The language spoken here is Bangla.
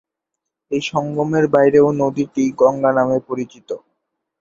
এই সঙ্গমের বাইরেও নদীটি গঙ্গা নামে পরিচিত।